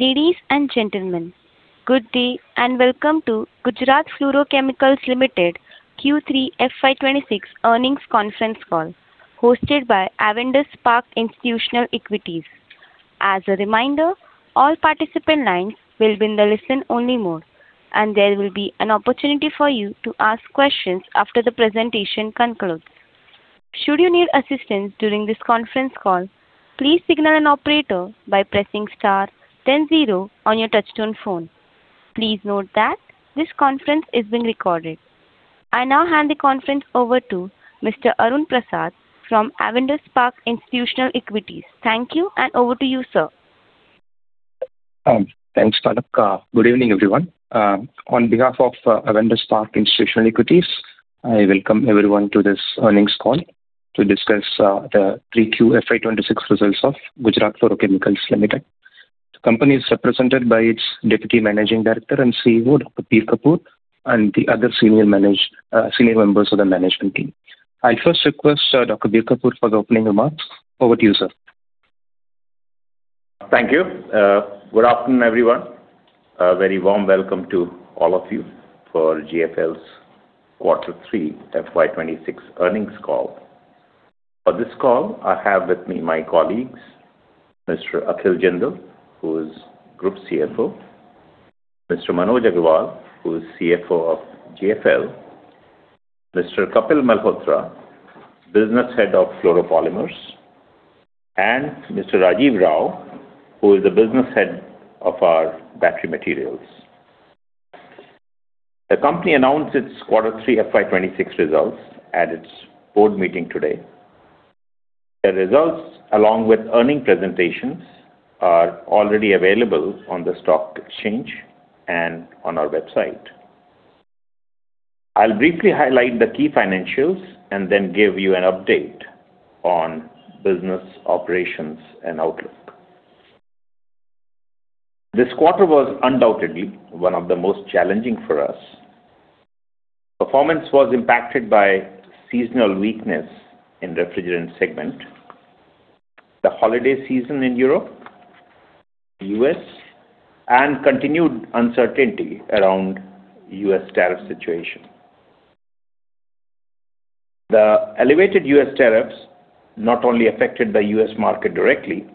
Ladies and gentlemen, good day, and welcome to Gujarat Fluorochemicals Limited Q3 FY 2026 earnings conference call, hosted by Avendus Spark Institutional Equities. As a reminder, all participant lines will be in the listen-only mode, and there will be an opportunity for you to ask questions after the presentation concludes. Should you need assistance during this conference call, please signal an operator by pressing star then zero on your touchtone phone. Please note that this conference is being recorded. I now hand the conference over to Mr. Arun Prasath from Avendus Spark Institutional Equities. Thank you, and over to you, sir. Thanks, Tanuka. Good evening, everyone. On behalf of Avendus Spark Institutional Equities, I welcome everyone to this earnings call to discuss the 3Q FY 2026 results of Gujarat Fluorochemicals Limited. The company is represented by its Deputy Managing Director and CEO, Dr. Bir Kapoor, and the other senior members of the management team. I first request Dr. Bir Kapoor for the opening remarks. Over to you, sir. Thank you. Good afternoon, everyone. A very warm welcome to all of you for GFL's Q3 FY 2026 earnings call. For this call, I have with me my colleagues, Mr. Akhil Jindal, who is Group CFO, Mr. Manoj Agrawal, who is CFO of GFL, Mr. Kapil Malhotra, Business Head of Fluoropolymers, and Mr. Rajiv Rao, who is the Business Head of our Battery Materials. The company announced its Q3 FY 2026 results at its board meeting today. The results, along with earnings presentations, are already available on the stock exchange and on our website. I'll briefly highlight the key financials and then give you an update on business operations and outlook. This quarter was undoubtedly one of the most challenging for us. Performance was impacted by seasonal weakness in refrigerant segment, the holiday season in Europe, U.S., and continued uncertainty around U.S. tariff situation. The elevated U.S. tariffs not only affected the U.S. market directly,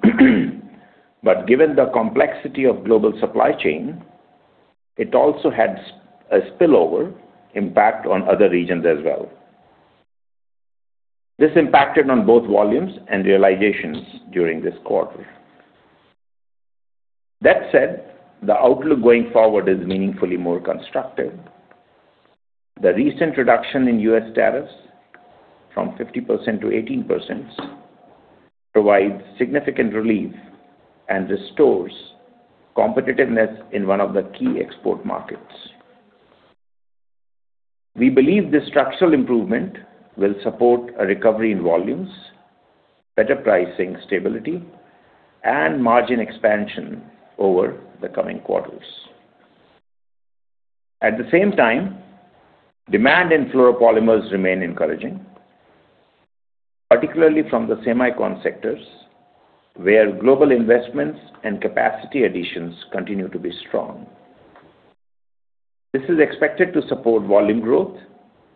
but given the complexity of global supply chain, it also had a spillover impact on other regions as well. This impacted on both volumes and realizations during this quarter. That said, the outlook going forward is meaningfully more constructive. The recent reduction in U.S. tariffs from 50% to 18% provides significant relief and restores competitiveness in one of the key export markets. We believe this structural improvement will support a recovery in volumes, better pricing stability, and margin expansion over the coming quarters. At the same time, demand in fluoropolymers remain encouraging, particularly from the semicon sectors, where global investments and capacity additions continue to be strong. This is expected to support volume growth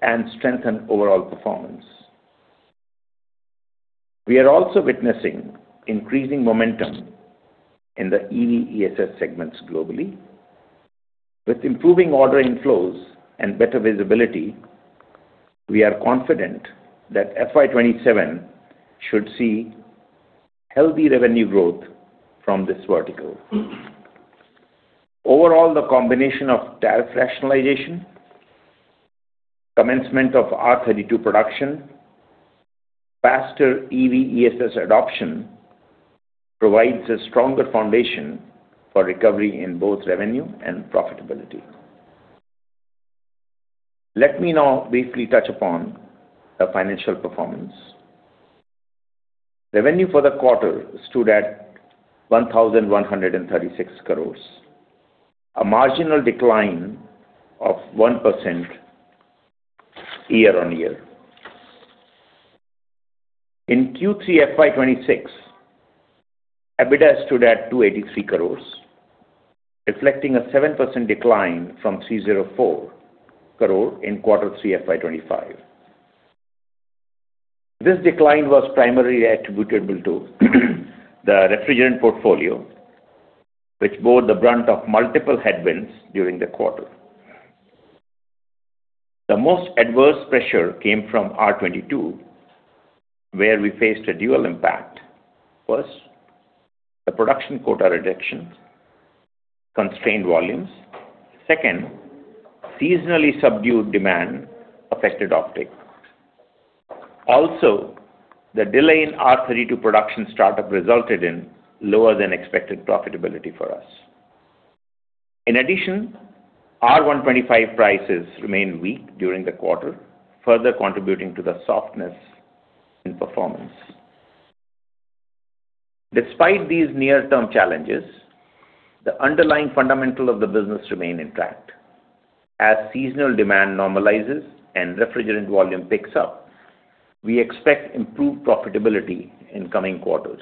and strengthen overall performance. We are also witnessing increasing momentum in the EV ESS segments globally. With improving order inflows and better visibility, we are confident that FY 2027 should see healthy revenue growth from this vertical. Overall, the combination of tariff rationalization, commencement of R32 production, faster EV ESS adoption provides a stronger foundation for recovery in both revenue and profitability. Let me now briefly touch upon the financial performance. Revenue for the quarter stood at 1,136 crores, a marginal decline of 1% year-on-year. In Q3 FY 2026, EBITDA stood at 283 crores, reflecting a 7% decline from 304 crore in Q3 FY 2025. This decline was primarily attributable to the refrigerant portfolio, which bore the brunt of multiple headwinds during the quarter. The most adverse pressure came from R22, where we faced a dual impact. First, the production quota reductions constrained volumes. Second, seasonally subdued demand affected offtake. Also, the delay in R32 production startup resulted in lower-than-expected profitability for us. In addition, R125 prices remained weak during the quarter, further contributing to the softness in performance. Despite these near-term challenges, the underlying fundamental of the business remain intact. As seasonal demand normalizes and refrigerant volume picks up, we expect improved profitability in coming quarters.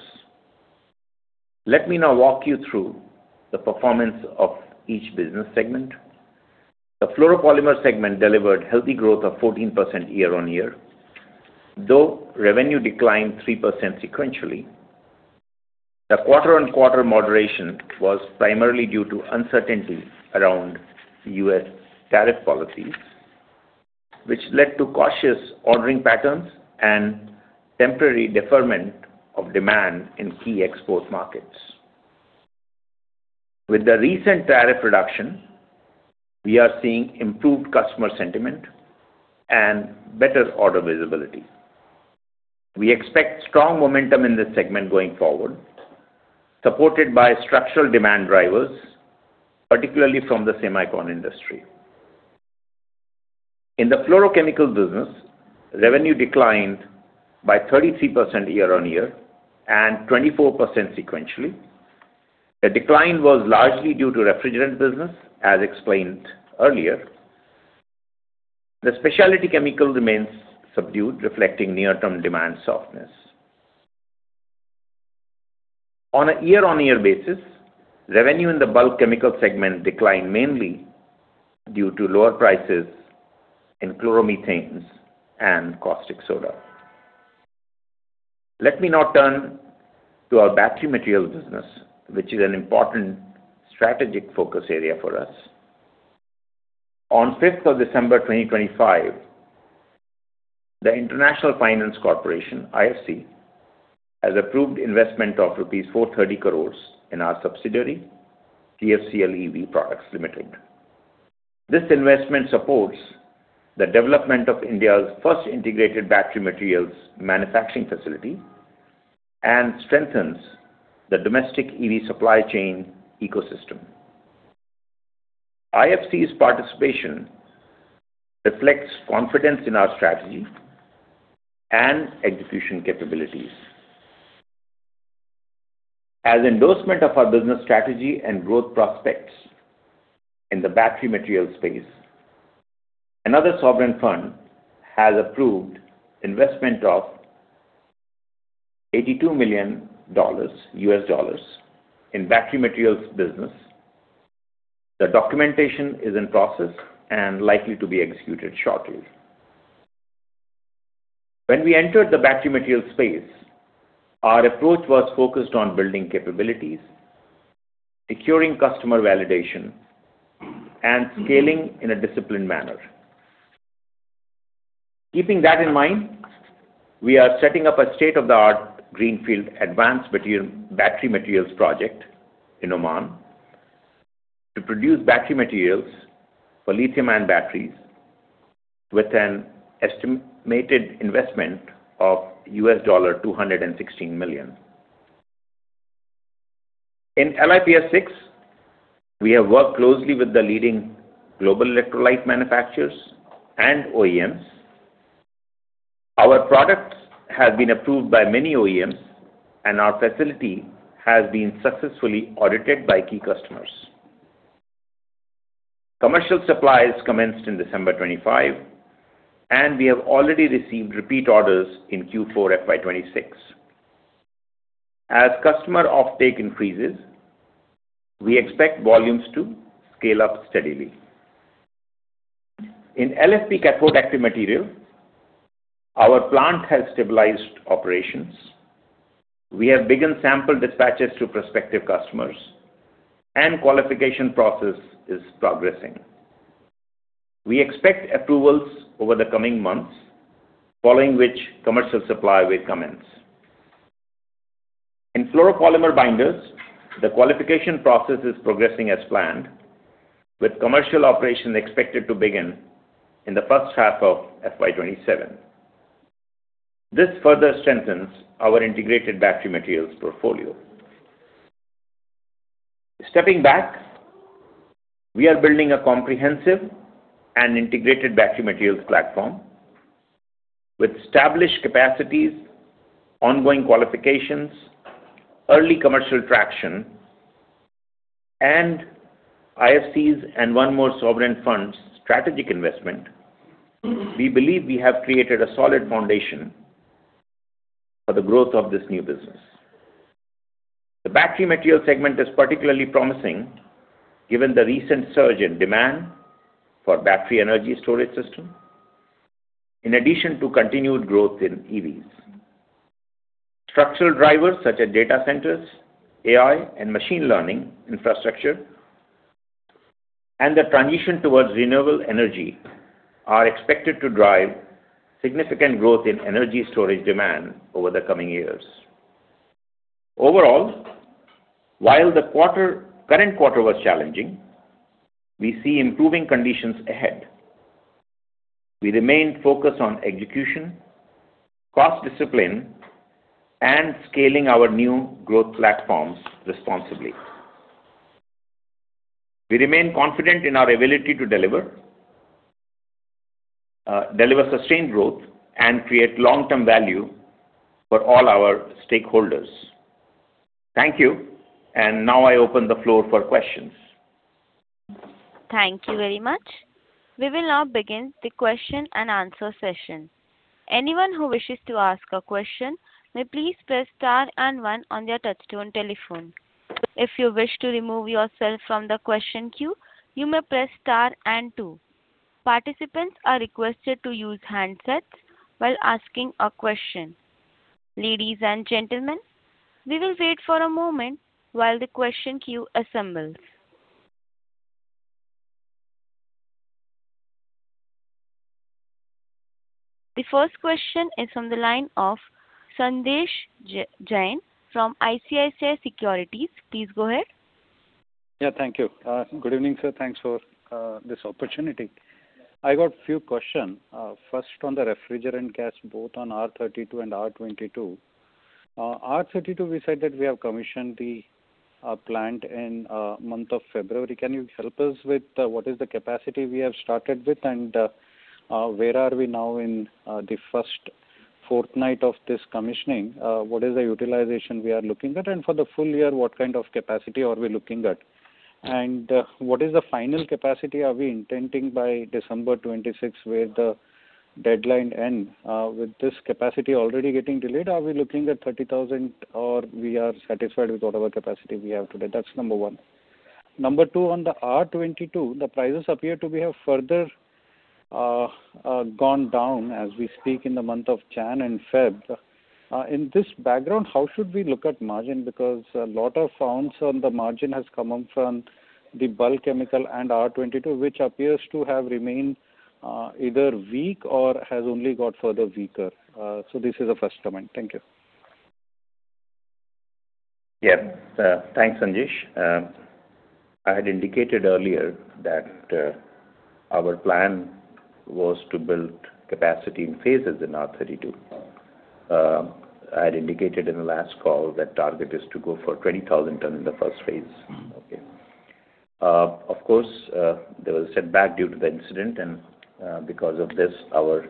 Let me now walk you through the performance of each business segment. The fluoropolymer segment delivered healthy growth of 14% year-on-year, though revenue declined 3% sequentially. The quarter-on-quarter moderation was primarily due to uncertainty around U.S. tariff policies, which led to cautious ordering patterns and temporary deferment of demand in key export markets. With the recent tariff reduction, we are seeing improved customer sentiment and better order visibility. We expect strong momentum in this segment going forward, supported by structural demand drivers, particularly from the semicon industry. In the fluorochemical business, revenue declined by 33% year-on-year, and 24% sequentially. The decline was largely due to refrigerant business, as explained earlier. The specialty chemical remains subdued, reflecting near-term demand softness. On a year-on-year basis, revenue in the bulk chemical segment declined mainly due to lower prices in chloromethanes and caustic soda. Let me now turn to our battery materials business, which is an important strategic focus area for us. On 5th of December 2025, the International Finance Corporation, IFC, has approved investment of 430 crores rupees in our subsidiary, GFCL EV Products Limited. This investment supports the development of India's first integrated battery materials manufacturing facility, and strengthens the domestic EV supply chain ecosystem. IFC's participation reflects confidence in our strategy and execution capabilities. As endorsement of our business strategy and growth prospects in the battery materials space, another sovereign fund has approved investment of $82 million in battery materials business. The documentation is in process and likely to be executed shortly. When we entered the battery materials space, our approach was focused on building capabilities, securing customer validation, and scaling in a disciplined manner. Keeping that in mind, we are setting up a state-of-the-art greenfield advanced battery materials project in Oman, to produce battery materials for lithium-ion batteries with an estimated investment of $216 million. In LiPF6, we have worked closely with the leading global electrolyte manufacturers and OEMs. Our products have been approved by many OEMs, and our facility has been successfully audited by key customers. Commercial supplies commenced in December 2025, and we have already received repeat orders in Q4 FY 2026. As customer offtake increases, we expect volumes to scale up steadily. In LFP cathode active material, our plant has stabilized operations. We have begun sample dispatches to prospective customers, and qualification process is progressing. We expect approvals over the coming months, following which commercial supply will commence. In fluoropolymer binders, the qualification process is progressing as planned, with commercial operations expected to begin in the first half of FY 2027. This further strengthens our integrated battery materials portfolio. Stepping back, we are building a comprehensive and integrated battery materials platform with established capacities, ongoing qualifications, early commercial traction, and IFC's and one more sovereign fund's strategic investment. We believe we have created a solid foundation for the growth of this new business. The battery materials segment is particularly promising, given the recent surge in demand for battery energy storage system, in addition to continued growth in EVs. Structural drivers such as data centers, AI, and machine learning infrastructure, and the transition towards renewable energy, are expected to drive significant growth in energy storage demand over the coming years. Overall, while the current quarter was challenging, we see improving conditions ahead. We remain focused on execution, cost discipline, and scaling our new growth platforms responsibly. We remain confident in our ability to deliver sustained growth and create long-term value for all our stakeholders. Thank you. And now I open the floor for questions. Thank you very much. We will now begin the question-and-answer session. Anyone who wishes to ask a question may please press star and one on their touchtone telephone. If you wish to remove yourself from the question queue, you may press star and two. Participants are requested to use handsets while asking a question. Ladies and gentlemen, we will wait for a moment while the question queue assembles. The first question is from the line of Sanjesh Jain from ICICI Securities. Please go ahead. Yeah, thank you. Good evening, sir. Thanks for this opportunity. I got few question. First, on the refrigerant gas, both on R32 and R22. R32, we said that we have commissioned the plant in month of February. Can you help us with what is the capacity we have started with, and where are we now in the first fortnight of this commissioning? What is the utilization we are looking at and for the full year, what kind of capacity are we looking at? And what is the final capacity we are intending by December 2026, where the deadline ends? With this capacity already getting delayed, are we looking at 30,000, or we are satisfied with whatever capacity we have today? That's number one. Number two, on the R22, the prices appear to be have further gone down as we speak in the month of January and February. In this background, how should we look at margin? Because a lot of bounce on the margin has come up from the bulk chemical and R22, which appears to have remained either weak or has only got further weaker. So this is the first comment. Thank you. Yeah. Thanks, Sanjesh. I had indicated earlier that our plan was to build capacity in phases in R32. I had indicated in the last call that target is to go for 20,000 ton in the first phase. Okay. Of course, there was a setback due to the incident, and, because of this, our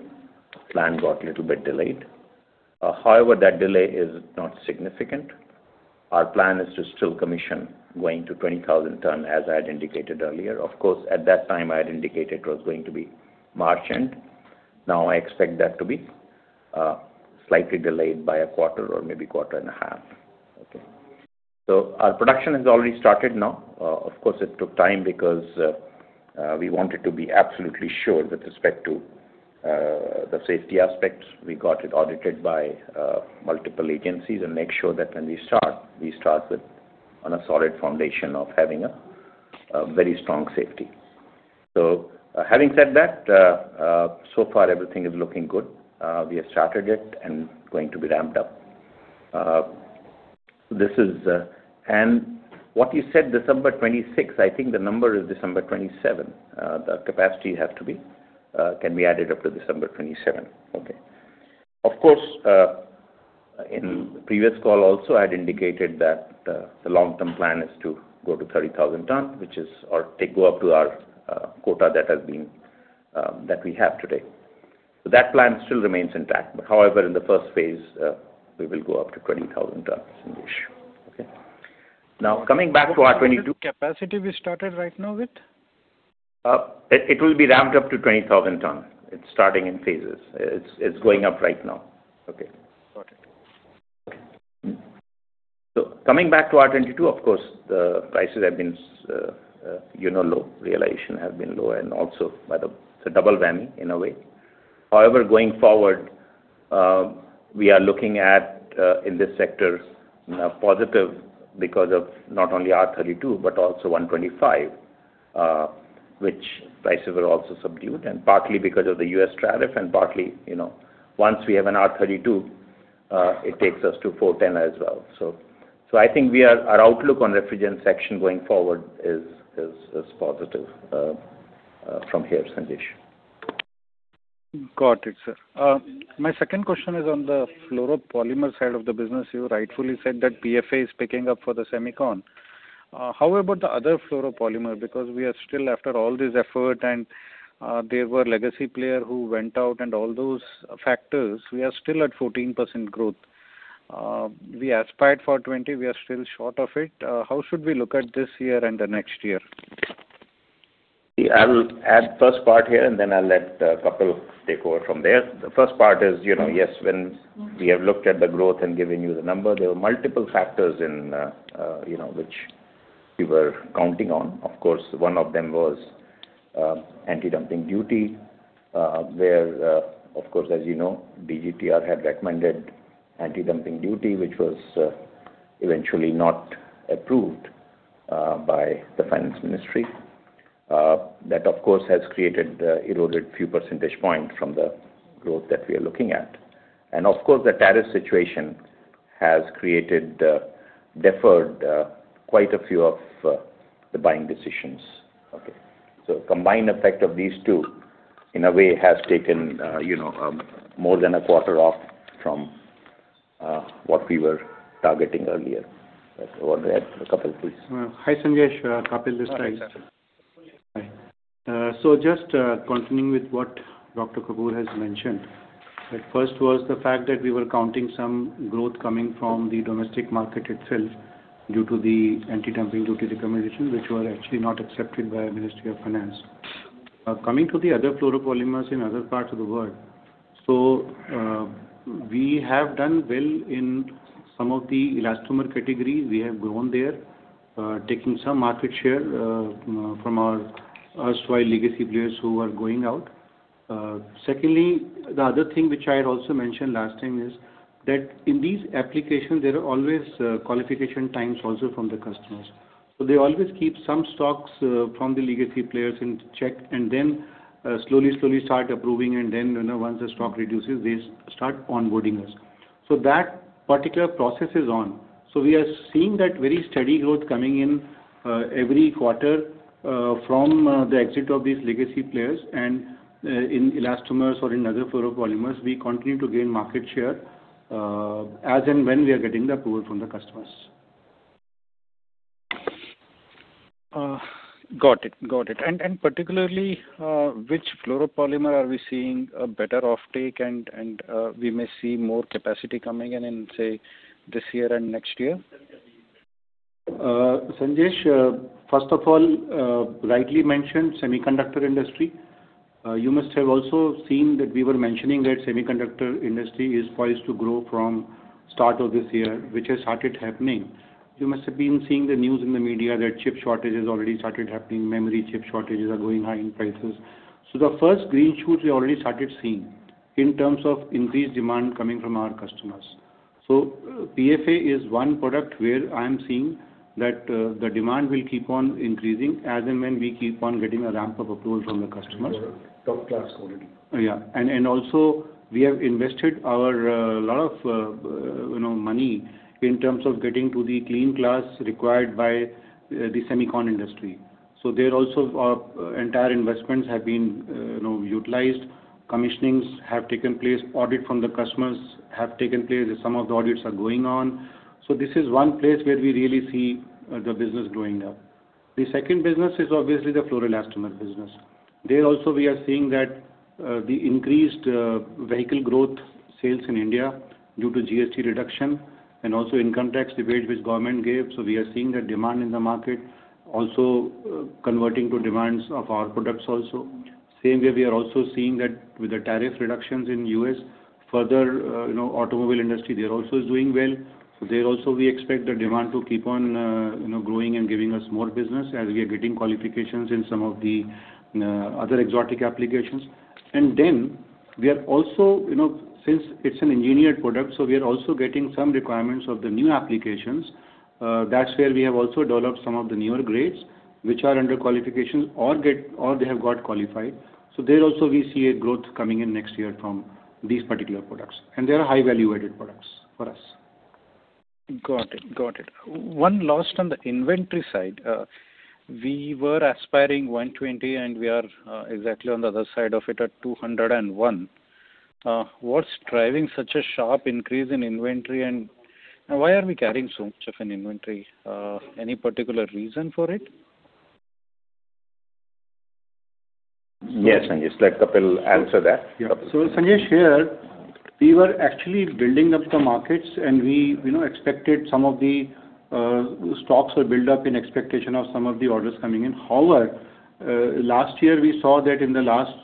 plan got little bit delayed. However, that delay is not significant. Our plan is to still commission going to 20,000 ton, as I had indicated earlier. Of course, at that time, I had indicated it was going to be March end. Now, I expect that to be, slightly delayed by a quarter or maybe quarter and a half. Okay. So our production has already started now. Of course, it took time because, we wanted to be absolutely sure with respect to, the safety aspects. We got it audited by, multiple agencies and make sure that when we start, we start with, on a solid foundation of having a, a very strong safety. So having said that, so far, everything is looking good. We have started it and going to be ramped up. This is... And what you said, December 26, I think the number is December 27. The capacity have to be, can be added up to December 27. Okay. Of course, in the previous call also, I had indicated that, the long-term plan is to go to 30,000 ton, which is, or take go up to our, quota that has been, that we have today. So that plan still remains intact. But however, in the first phase, we will go up to 20,000 tons, Sanjesh. Okay? Now, coming back to R22- What capacity we started right now with? It will be ramped up to 20,000 ton. It's starting in phases. It's going up right now. Okay. Got it. So coming back to R22, of course, the prices have been, you know, low, realization have been low and also by the... It's a double whammy in a way. However, going forward, we are looking at, in this sector, positive because of not only R32, but also R125, which prices were also subdued, and partly because of the U.S. tariff, and partly, you know, once we have an R32, it takes us to R410A as well. So, so I think we are, our outlook on refrigerant section going forward is, is, is positive, from here, Sanjesh. Got it, sir. My second question is on the fluoropolymer side of the business. You rightfully said that PFA is picking up for the semicon. How about the other fluoropolymer? Because we are still after all this effort and, there were legacy player who went out and all those factors, we are still at 14% growth. We aspired for 20%, we are still short of it. How should we look at this year and the next year? I will add first part here, and then I'll let Kapil take over from there. The first part is, you know, yes, when we have looked at the growth and given you the number, there were multiple factors in, you know, which we were counting on. Of course, one of them was anti-dumping duty, where, of course, as you know, DGTR had recommended anti-dumping duty, which was eventually not approved by the Finance Ministry. That, of course, has created eroded few percentage points from the growth that we are looking at. And of course, the tariff situation has created deferred quite a few of the buying decisions. Okay, so combined effect of these two, in a way, has taken, you know, more than a quarter off from what we were targeting earlier. Over to you, Kapil, please. Hi, Sanjesh, Kapil Malhotra. Hi. So just continuing with what Dr. Kapoor has mentioned, at first was the fact that we were counting some growth coming from the domestic market itself due to the anti-dumping duty recommendation, which were actually not accepted by our Ministry of Finance. Coming to the other fluoropolymers in other parts of the world, so we have done well in some of the elastomer categories. We have grown there, taking some market share from our legacy players who are going out. Secondly, the other thing which I had also mentioned last time is that in these applications, there are always qualification times also from the customers. So they always keep some stocks from the legacy players in check, and then slowly, slowly start approving, and then, you know, once the stock reduces, they start onboarding us. So that particular process is on. We are seeing that very steady growth coming in every quarter from the exit of these legacy players. In elastomers or in other fluoropolymers, we continue to gain market share as and when we are getting the approval from the customers. Got it. Got it. And particularly, which fluoropolymer are we seeing a better offtake, and we may see more capacity coming in, say, this year and next year? Sanjesh, first of all, rightly mentioned semiconductor industry. You must have also seen that we were mentioning that semiconductor industry is poised to grow from start of this year, which has started happening. You must have been seeing the news in the media that chip shortage has already started happening, memory chip shortages are going high in prices. So the first green shoots we already started seeing in terms of increased demand coming from our customers. So PFA is one product where I am seeing that the demand will keep on increasing as and when we keep on getting a ramp of approval from the customers. Top-class quality. Yeah. And, and also we have invested our, lot of, you know, money in terms of getting to the clean class required by, the semicon industry. So there also, our entire investments have been, you know, utilized, commissionings have taken place, audit from the customers have taken place, and some of the audits are going on. So this is one place where we really see, the business growing up. The second business is obviously the fluoroelastomer business. There also we are seeing that, the increased, vehicle growth sales in India due to GST reduction and also income tax rebate which government gave. So we are seeing that demand in the market also, converting to demands of our products also. Same way, we are also seeing that with the tariff reductions in U.S., further, you know, automobile industry there also is doing well. So there also we expect the demand to keep on, you know, growing and giving us more business as we are getting qualifications in some of the other exotic applications. And then we are also, you know, since it's an engineered product, so we are also getting some requirements of the new applications. That's where we have also developed some of the newer grades, which are under qualifications or they have got qualified. So there also we see a growth coming in next year from these particular products, and they are high value-added products for us. Got it. Got it. One last on the inventory side. We were aspiring 120, and we are exactly on the other side of it at 201. What's driving such a sharp increase in inventory, and why are we carrying so much of an inventory? Any particular reason for it? Yes, Sanjesh, let Kapil answer that. Yeah. So, Sanjesh, here, we were actually building up the markets, and we, you know, expected some of the stocks were built up in expectation of some of the orders coming in. However, last year, we saw that in the last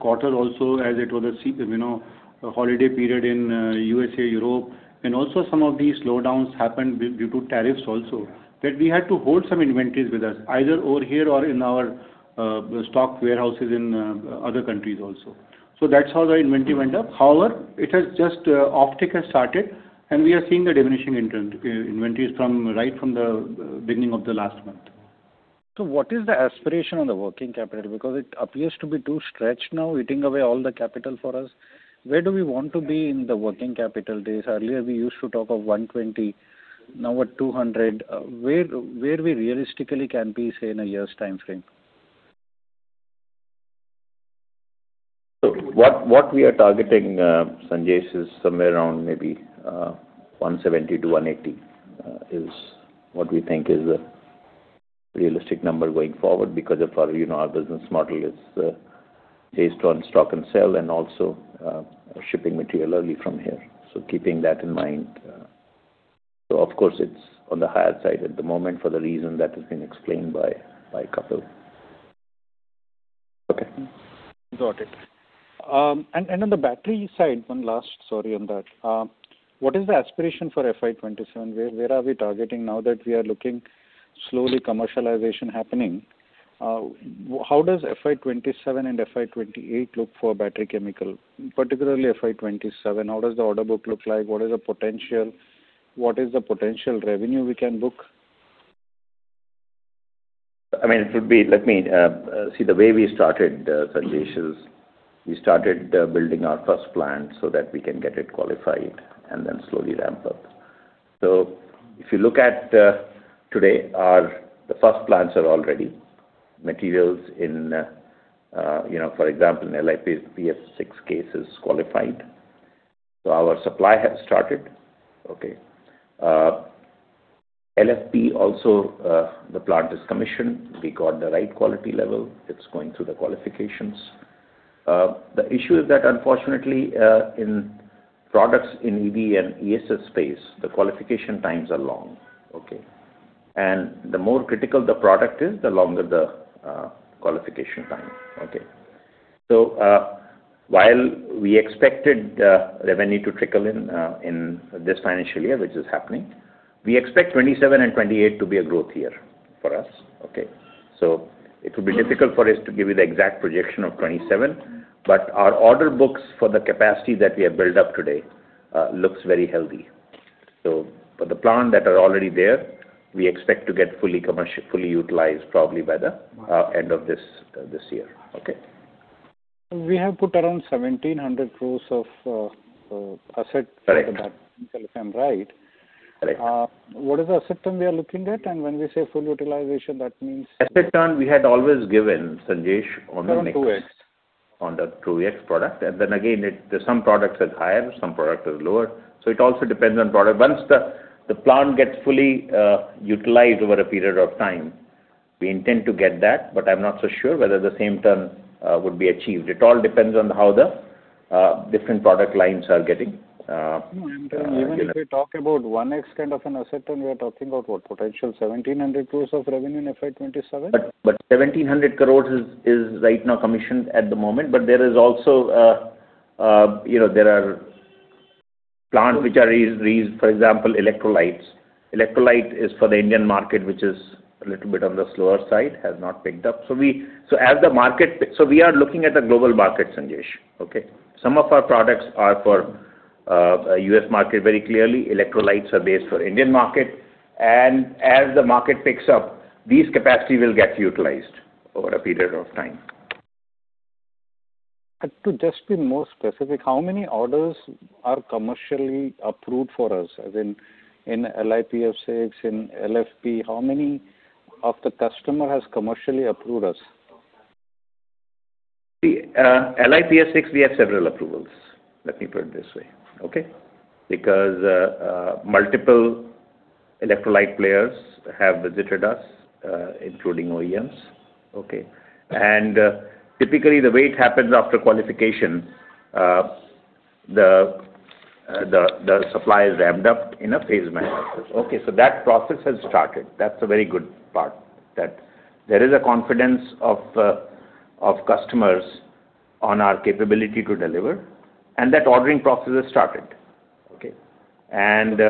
quarter also, as it was a you know, a holiday period in USA, Europe, and also some of these slowdowns happened due to tariffs also, that we had to hold some inventories with us, either over here or in our stock warehouses in other countries also. So that's how the inventory went up. However, it has just offtake has started, and we are seeing the diminishing inventories from right from the beginning of the last month. So what is the aspiration on the working capital? Because it appears to be too stretched now, eating away all the capital for us. Where do we want to be in the working capital days? Earlier, we used to talk of 120, now we're 200. Where, where we realistically can be, say, in a year's time frame? So what, what we are targeting, Sanjesh, is somewhere around maybe 170-180, is what we think is a realistic number going forward, because of our, you know, our business model is based on stock and sell and also shipping material early from here. So keeping that in mind... So of course, it's on the higher side at the moment for the reason that has been explained by, by Kapil. Okay. Got it. And on the battery side, one last, sorry, on that. What is the aspiration for FY 2027? Where are we targeting now that we are looking slowly commercialization happening? How does FY 2027 and FY 2028 look for battery chemical, particularly FY 2027, how does the order book look like? What is the potential? What is the potential revenue we can book? I mean, it would be— Let me see, the way we started, Sanjesh, is we started building our first plant so that we can get it qualified and then slowly ramp up. So if you look at today, our— the first plants are all ready. Materials in, you know, for example, in LiPF6 cases qualified, so our supply has started. Okay. LFP also, the plant is commissioned. We got the right quality level. It's going through the qualifications. The issue is that unfortunately, in products in EV and ESS space, the qualification times are long, okay? And the more critical the product is, the longer the qualification time. Okay. So, while we expected revenue to trickle in in this financial year, which is happening, we expect 2027 and 2028 to be a growth year for us, okay? So it will be difficult for us to give you the exact projection of 2027, but our order books for the capacity that we have built up today looks very healthy. So for the plant that are already there, we expect to get fully commercial, fully utilized, probably by the end of this year. Okay. We have put around 1,700 crore of asset- Correct. if I'm right. Correct. What is the asset turn we are looking at? And when we say full utilization, that means- Asset turn, we had always given, Sanjesh, on the next- Around 2x. On the 2x product. And then again, it—some products are higher, some product is lower. So it also depends on product. Once the plant gets fully utilized over a period of time, we intend to get that, but I'm not so sure whether the same term would be achieved. It all depends on how the different product lines are getting— No, I'm telling, even if we talk about 1x kind of an asset turn, we are talking about what? Potential 1,700 crore of revenue in FY 2027? But 1,700 crore is right now commissioned at the moment, but there is also, you know, there are plants which are raised, for example, electrolytes. Electrolyte is for the Indian market, which is a little bit on the slower side, has not picked up. So as the market... So we are looking at the global market, Sanjesh. Okay? Some of our products are for, U.S. market, very clearly. Electrolytes are based for Indian market. And as the market picks up, these capacity will get utilized over a period of time. To just be more specific, how many orders are commercially approved for us? As in, in LiPF6, in LFP, how many of the customer has commercially approved us? See, LiPF6, we have several approvals. Let me put it this way, okay? Because multiple electrolyte players have visited us, including OEMs. Okay. And typically, the way it happens after qualification, the supply is ramped up in a phased manner. Okay, so that process has started. That's a very good part, that there is a confidence of customers on our capability to deliver, and that ordering process has started. Okay? And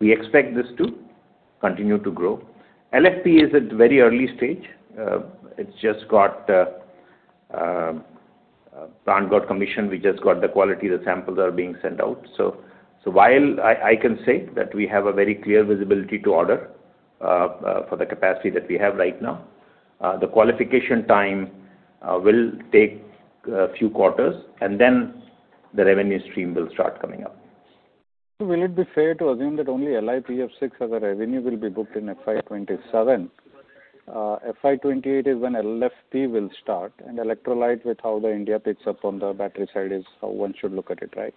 we expect this to continue to grow. LFP is at very early stage. It's just got plant got commissioned, we just got the quality, the samples are being sent out. So, while I can say that we have a very clear visibility to order for the capacity that we have right now, the qualification time will take a few quarters, and then the revenue stream will start coming up. So will it be fair to assume that only LiPF6 as a revenue will be booked in FY 2027? FY 2028 is when LFP will start, and electrolyte, with how India picks up on the battery side, is how one should look at it, right?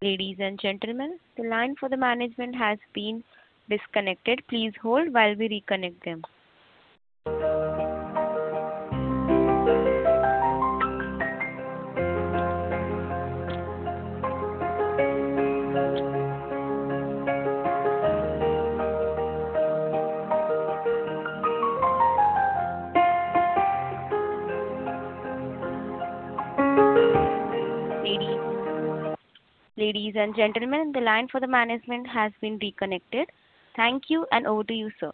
Ladies and gentlemen, the line for the management has been disconnected. Please hold while we reconnect them. Ladies and gentlemen, the line for the management has been reconnected. Thank you, and over to you, sir.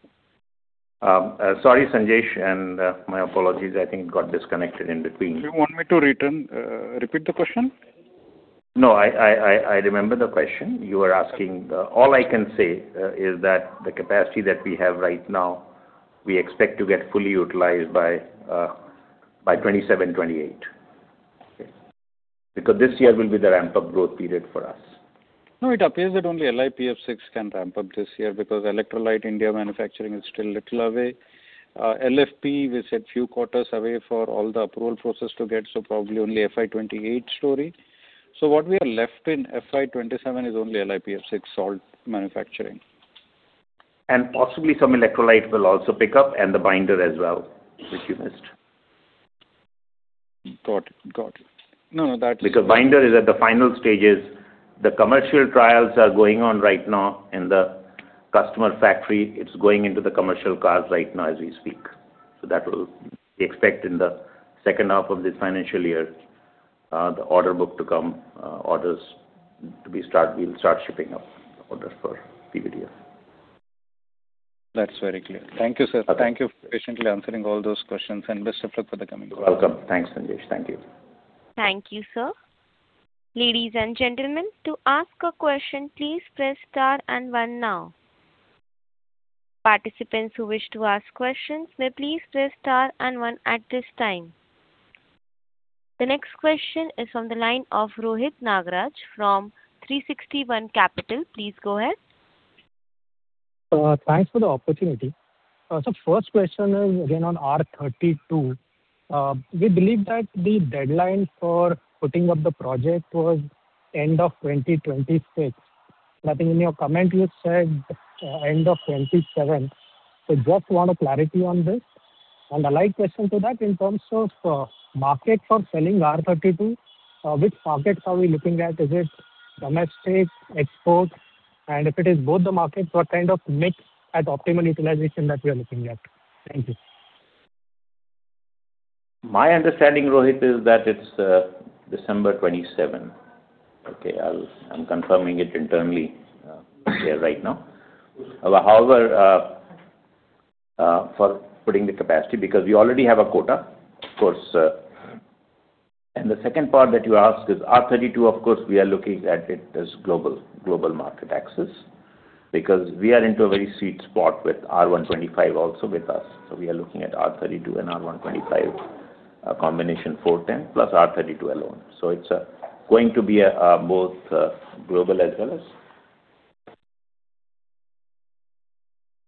Sorry, Sanjesh, and my apologies, I think it got disconnected in between. Do you want me to return, repeat the question? No, I remember the question. You were asking... All I can say is that the capacity that we have right now, we expect to get fully utilized by 2027, 2028. Okay? Because this year will be the ramp-up growth period for us. No, it appears that only LiPF6 can ramp up this year, because electrolyte India manufacturing is still a little away. LFP, we said few quarters away for all the approval process to get, so probably only FY 2028 story. So what we are left in FY 2027 is only LiPF6 salt manufacturing. Possibly some electrolyte will also pick up, and the binder as well, which you missed. Got it. Got it. No, no, that's- Because binder is at the final stages. The commercial trials are going on right now in the customer factory. It's going into the commercial cars right now as we speak. So that will, we expect in the second half of this financial year, the order book to come, orders to be start, we'll start shipping up orders for PVDF. That's very clear. Thank you, sir. Okay. Thank you for patiently answering all those questions, and best of luck for the coming year. You're welcome. Thanks, Sanjesh. Thank you. Thank you, sir. Ladies and gentlemen, to ask a question, please press star and one now. Participants who wish to ask questions may please press star and one at this time. The next question is from the line of Rohit Nagaraj from 360 ONE Capital. Please go ahead. Thanks for the opportunity. So first question is again on R32. We believe that the deadline for putting up the project was end of 2026. But I think in your comment you said, end of 2027. So just want a clarity on this. And a light question to that in terms of, market for selling R32, which markets are we looking at? Is it domestic, export? And if it is both the markets, what kind of mix at optimal utilization that we are looking at? Thank you. My understanding, Rohit, is that it's December 27. Okay, I'm confirming it internally here right now. However, for putting the capacity, because we already have a quota, of course. And the second part that you asked is R32, of course, we are looking at it as global, global market access, because we are into a very sweet spot with R125 also with us. So we are looking at R32 and R125, a combination R410A, plus R32 alone. So it's going to be both global as well as.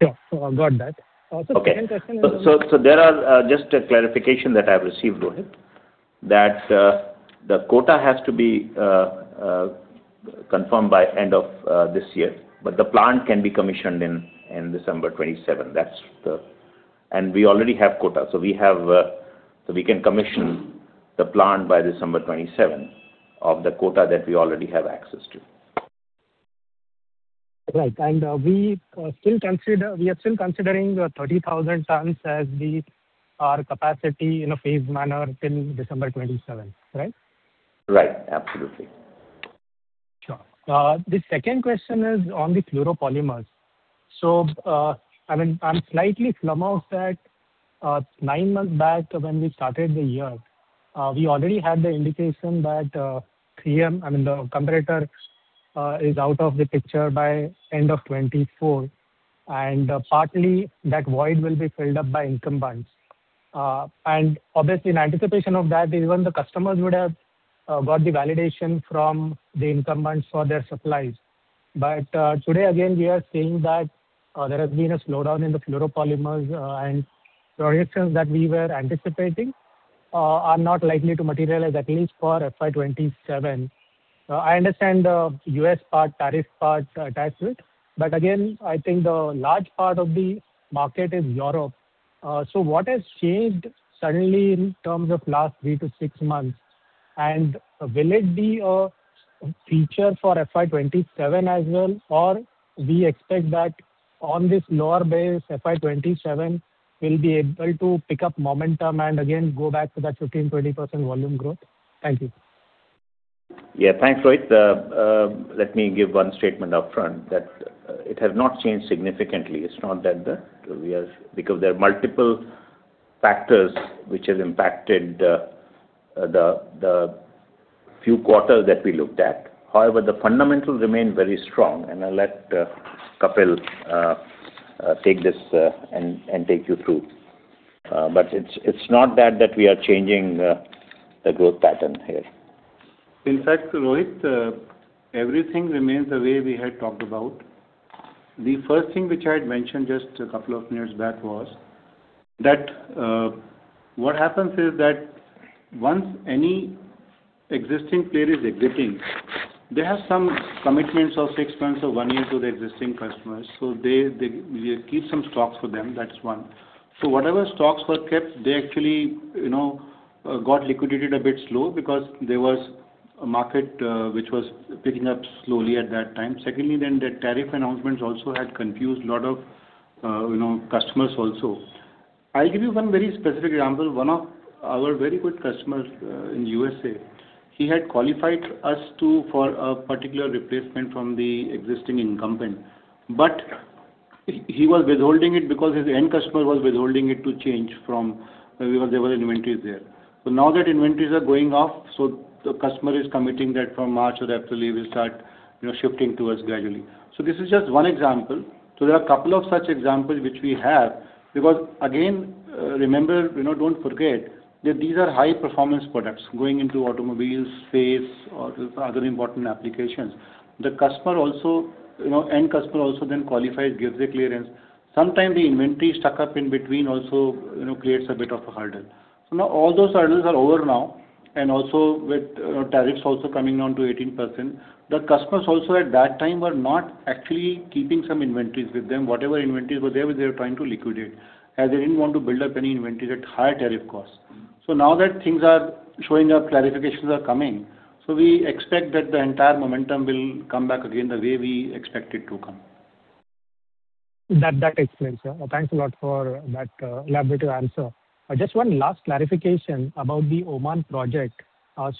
Sure. So I got that. Okay. Also, second question is- So there are just a clarification that I've received, Rohit, that the quota has to be confirmed by end of this year, but the plant can be commissioned in December 2027. That's the... And we already have quota, so we can commission the plant by December 2027 of the quota that we already have access to. Right. And, we still consider, we are still considering the 30,000 tons as the, our capacity in a phased manner till December 2027, right? Right. Absolutely. Sure. The second question is on the fluoropolymers. So, I mean, I'm slightly flummoxed that, nine months back, when we started the year, we already had the indication that, 3M, I mean, the competitor, is out of the picture by end of 2024, and partly that void will be filled up by incumbents. And obviously, in anticipation of that, even the customers would have got the validation from the incumbents for their supplies. But, today, again, we are seeing that, there has been a slowdown in the fluoropolymers, and projections that we were anticipating are not likely to materialize, at least for FY 2027. I understand the U.S. part, tariff part attached to it, but again, I think the large part of the market is Europe. So what has changed suddenly in terms of last three to six months? And will it be a feature for FY 2027 as well, or we expect that on this lower base, FY 2027, we'll be able to pick up momentum and again go back to that 15%-20% volume growth? Thank you. Yeah. Thanks, Rohit. Let me give one statement upfront, that it has not changed significantly. It's not that the... We have-- Because there are multiple factors which has impacted the few quarters that we looked at. However, the fundamentals remain very strong, and I'll let Kapil take this and take you through. But it's not that we are changing the growth pattern here. In fact, Rohit, everything remains the way we had talked about. The first thing which I had mentioned just a couple of minutes back was, that, what happens is that once any existing player is exiting, they have some commitments of six months or one year to the existing customers. So they, we keep some stocks for them. That's one. So whatever stocks were kept, they actually, you know, got liquidated a bit slow because there was a market, which was picking up slowly at that time. Secondly, then the tariff announcements also had confused a lot of, you know, customers also. I'll give you one very specific example. One of our very good customers in USA, he had qualified us to, for a particular replacement from the existing incumbent, but he, he was withholding it because his end customer was withholding it to change from... Because there were inventories there. So now that inventories are going off, so the customer is committing that from March or April, he will start, you know, shifting to us gradually. So this is just one example. So there are a couple of such examples which we have, because again, remember, you know, don't forget that these are high-performance products going into automobiles, space, or other important applications. The customer also, you know, end customer also then qualifies, gives a clearance. Sometime the inventory stuck up in between also, you know, creates a bit of a hurdle. So now all those hurdles are over now, and also with tariffs also coming down to 18%, the customers also at that time were not actually keeping some inventories with them. Whatever inventories were there, they were trying to liquidate, as they didn't want to build up any inventories at higher tariff costs. So now that things are showing up, clarifications are coming, so we expect that the entire momentum will come back again, the way we expect it to come. That, that explains, sir. Thanks a lot for that, elaborate answer. Just one last clarification about the Oman project.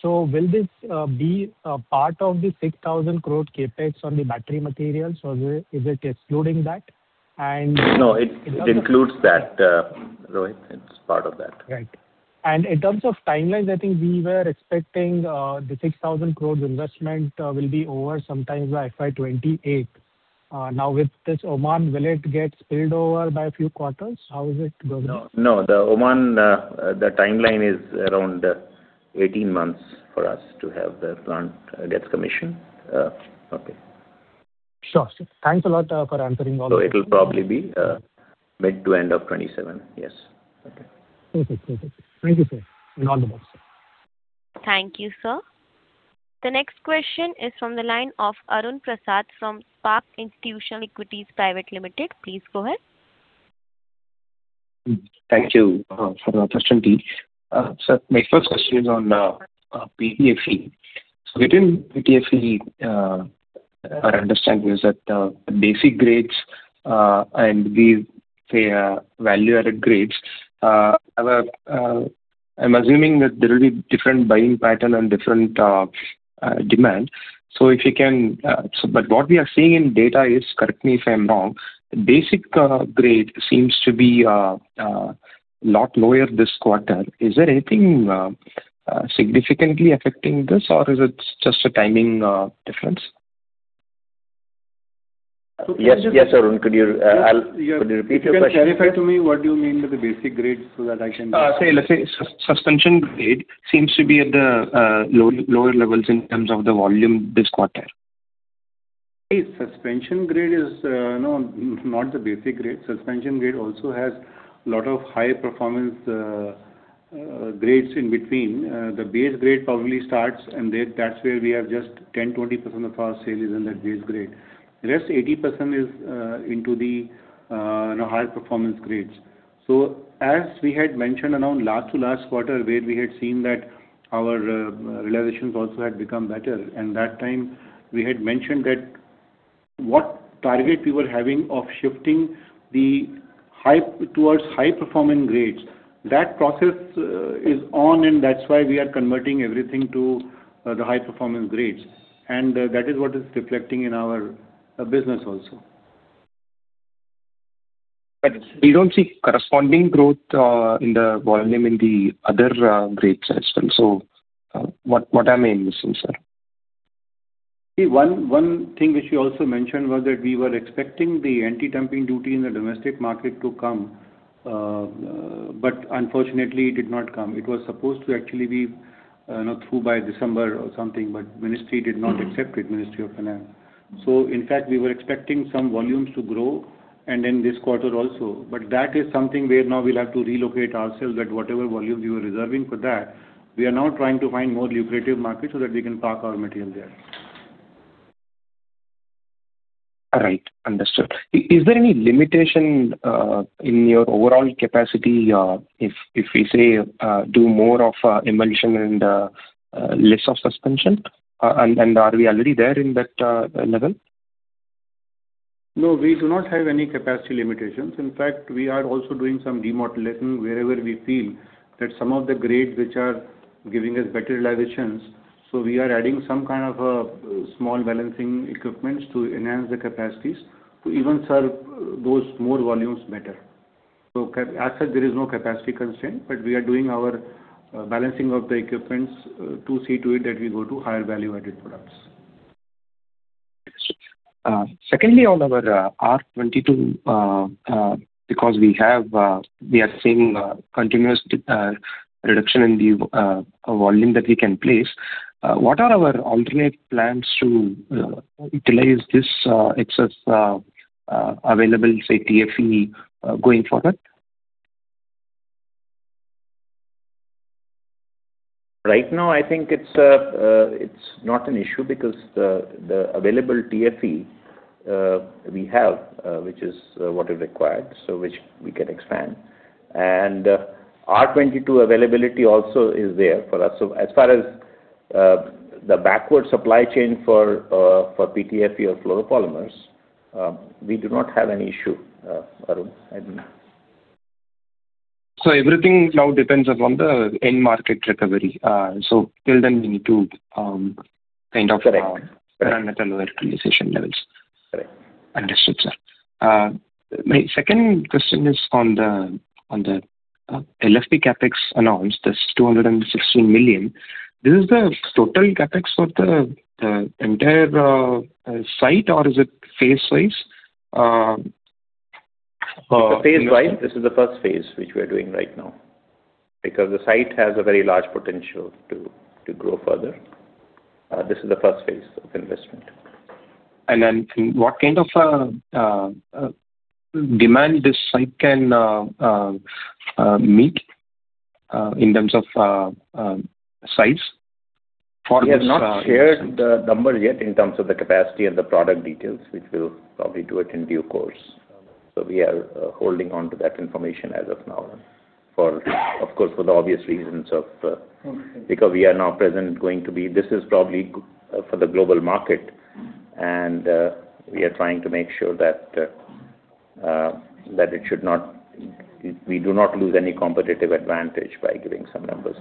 So will this be a part of the 6,000 crore CapEx on the battery materials, or is it, is it excluding that? And- No, it includes that, Rohit. It's part of that. Right. In terms of timelines, I think we were expecting the 6,000 crore investment will be over sometime by FY 2028. Now, with this Oman, will it get spilled over by a few quarters? How is it going? No, the Oman, the timeline is around 18 months for us to have the plant, get commission, okay. Sure. Thanks a lot for answering all. So it'll probably be mid to end of 2027. Yes. Okay. Thank you, sir. All the best, sir. Thank you, sir. The next question is from the line of Arun Prasad from Spark Institutional Equities Private Limited. Please go ahead. Thank you for the opportunity. So my first question is on PTFE. So within PTFE, our understanding is that the basic grades and the, say, value-added grades have a... I'm assuming that there will be different buying pattern and different demand. So if you can, so but what we are seeing in data is, correct me if I'm wrong, basic grade seems to be a lot lower this quarter. Is there anything significantly affecting this, or is it just a timing difference? Yes, yes, Arun, could you repeat your question? You can clarify to me what do you mean by the basic grade, so that I can- Say, let's say, suspension grade seems to be at the lower levels in terms of the volume this quarter. Suspension grade is, no, not the basic grade. Suspension grade also has a lot of high performance grades in between. The base grade probably starts, and then that's where we have just 10%-20% of our sales is in that base grade. The rest 80% is into the higher performance grades. So as we had mentioned around last to last quarter, where we had seen that our realizations also had become better, and that time we had mentioned that what target we were having of shifting the high towards high-performing grades, that process is on, and that's why we are converting everything to the high-performance grades. And that is what is reflecting in our business also. But we don't see corresponding growth in the volume in the other grades as well. So, what, what am I missing, sir? One thing which you also mentioned was that we were expecting the anti-dumping duty in the domestic market to come, but unfortunately, it did not come. It was supposed to actually be, you know, through by December or something, but ministry did not accept it, Ministry of Finance. So in fact, we were expecting some volumes to grow and in this quarter also. But that is something where now we'll have to relocate ourselves, that whatever volumes we were reserving for that, we are now trying to find more lucrative markets so that we can park our material there. All right. Understood. Is there any limitation in your overall capacity if we say do more of emulsion and less of suspension? And are we already there in that level? No, we do not have any capacity limitations. In fact, we are also doing some debottlenecking wherever we feel that some of the grades which are giving us better realizations. So we are adding some kind of a small balancing equipments to enhance the capacities to even serve those more volumes better. So as such, there is no capacity constraint, but we are doing our balancing of the equipments to see to it that we go to higher value-added products. Secondly, on our R22, because we are seeing continuous reduction in the volume that we can place, what are our alternate plans to utilize this available, say, TFE, going forward? Right now, I think it's not an issue because the available TFE we have, which is what is required, so which we can expand. R22 availability also is there for us. So as far as the backward supply chain for PTFE or fluoropolymers, we do not have any issue, Arun. I don't know. Everything now depends upon the end market recovery. So till then we need to kind of- Correct. Run at a lower utilization levels. Correct. Understood, sir. My second question is on the LFP CapEx announced, this 216 million. This is the total CapEx for the entire site, or is it phase wise? Phase-wise, this is the first phase which we are doing right now, because the site has a very large potential to grow further. This is the first phase of investment. Then what kind of demand this site can meet, in terms of size for this- We have not shared the number yet in terms of the capacity and the product details, which we'll probably do it in due course. So we are holding on to that information as of now, for, of course, for the obvious reasons of, Okay. Because we are now present going to be. This is probably for the global market, and we are trying to make sure that that it should not—we do not lose any competitive advantage by giving some numbers